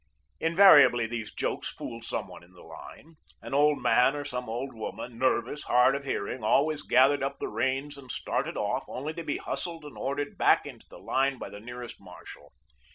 Invariably these jokes fooled some one in the line. An old man, or some old woman, nervous, hard of hearing, always gathered up the reins and started off, only to be hustled and ordered back into the line by the nearest marshal.